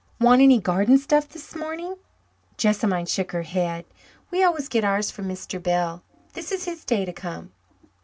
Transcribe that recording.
"Want any garden stuff this morning?" Jessamine shook her head. "We always get ours from Mr. Bell. This is his day to come."